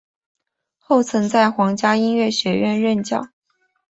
后曾在皇家音乐学院任教。